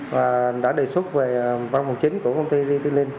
và đã đề xuất về ban quản chính của công ty ritilin